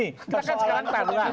kita kan sekarang taruhan